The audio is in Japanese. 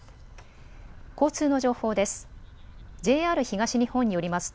交通の情報です。